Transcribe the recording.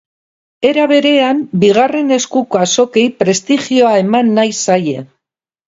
Era berean, bigarren eskuko azokei prestigioa eman nahi zaie.